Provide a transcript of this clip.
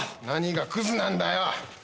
何がクズなんだよ